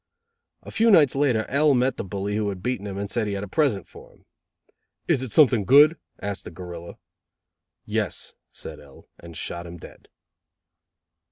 A few nights later, L met the bully who had beaten him and said he had a present for him. "Is it something good?" asked the gorilla. "Yes," said L , and shot him dead.